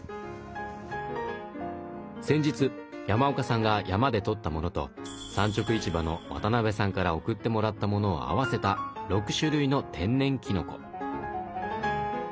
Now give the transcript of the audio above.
先日山岡さんが山で採ったものと産直市場の渡辺さんから送ってもらったものをあわせた６種類の天然きのこ。